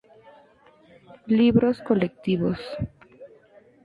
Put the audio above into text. Libros colectivos